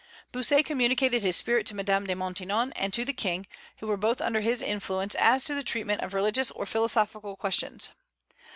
Bossuet communicated his spirit to Madame de Maintenon and to the King, who were both under his influence as to the treatment of religious or philosophical questions.